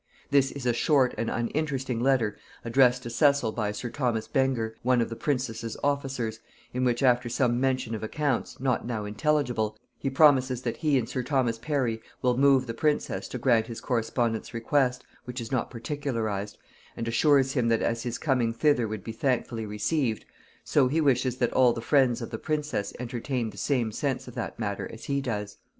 This is a short and uninteresting letter addressed to Cecil by sir Thomas Benger, one of the princess's officers, in which, after some mention of accounts, not now intelligible, he promises that he and sir Thomas Parry will move the princess to grant his correspondent's request, which is not particularized, and assures him that as his coming thither would be thankfully received, so he wishes that all the friends of the princess entertained the same sense of that matter as he does.